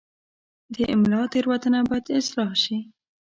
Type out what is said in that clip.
د املا تېروتنه باید اصلاح شي.